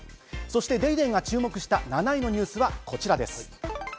『ＤａｙＤａｙ．』が注目した７位のニュースはこちらです。